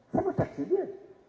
saya mau cek si dia